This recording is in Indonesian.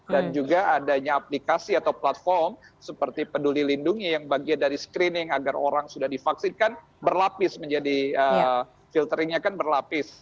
dan juga adanya aplikasi atau platform seperti peduli lindungi yang bagian dari screening agar orang sudah divaksin kan berlapis menjadi filteringnya kan berlapis